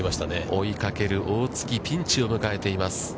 追いかける大槻、ピンチを迎えています。